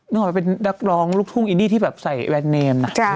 นึกออกไปเป็นดักรองลูกทุ่งอินดี้ที่แบบใส่แวดเนมน่ะ